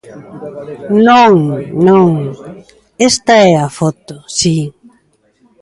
Non, non, esta é a foto, si.